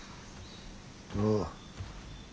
ああ。